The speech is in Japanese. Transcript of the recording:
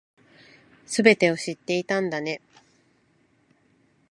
全てを知っていたんだね